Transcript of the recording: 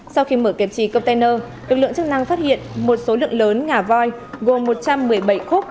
sau khi mở kệp trì container lực lượng chức năng phát hiện một số lượng lớn ngà voi gồm một trăm một mươi bảy khúc